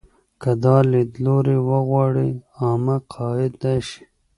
که دا لیدلوری وغواړي عامه قاعده شي.